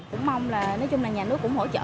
mình mong là nhà nước cũng hỗ trợ